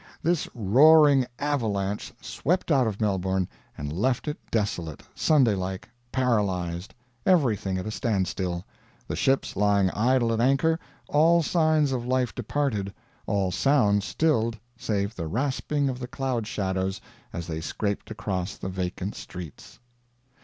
This roaring avalanche swept out of Melbourne and left it desolate, Sunday like, paralyzed, everything at a stand still, the ships lying idle at anchor, all signs of life departed, all sounds stilled save the rasping of the cloud shadows as they scraped across the vacant streets.